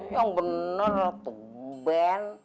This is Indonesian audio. yang bener tuh ben